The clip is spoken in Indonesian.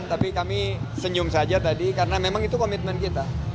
tapi kami senyum saja tadi karena memang itu komitmen kita